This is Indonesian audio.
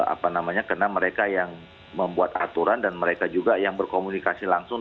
apa namanya karena mereka yang membuat aturan dan mereka juga yang berkomunikasi langsung